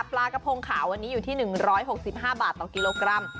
ปลากระพงขาววันนี้อยู่ที่๑๖๕บาทต่อกิโลกรัม